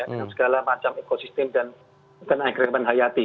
dengan segala macam ekosistem dan agreement hayati